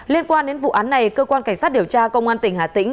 liên quan đến vụ án này cơ quan cảnh sát điều tra công an tỉnh hà tĩnh